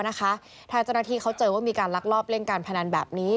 ถ้าเจ้าหน้าที่เขาเจอว่ามีการลักลอบเล่นการพนันแบบนี้